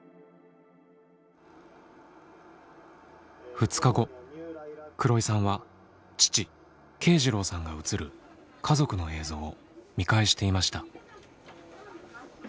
２日後黒井さんは父慶次郎さんが映る家族の映像を見返していました。